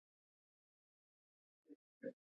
افغانستان د ښارونه د ساتنې لپاره قوانین لري.